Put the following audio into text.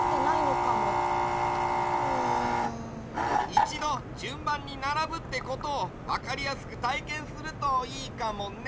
いちどじゅんばんにならぶってことをわかりやすくたいけんするといいかもね。